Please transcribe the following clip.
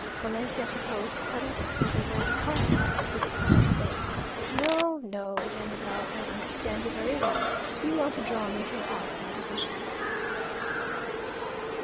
Valencia proposed Paredes for the War Department; but he declined, saying, "No, no, General I understand you very well. You want to draw me from off my division."